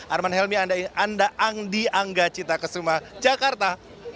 arman helmy anda ang di angga cita kesuma jakarta